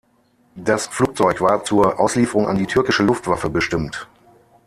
Das Flugzeug war zur Auslieferung an die Türkische Luftwaffe bestimmt.